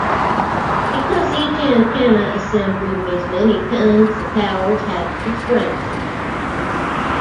Because each antenna assembly weighs many tons, the towers had to be strengthened.